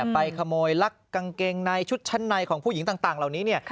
ไปขโมยลักกางเกงในชุดชั้นในของผู้หญิงต่างเหล่านี้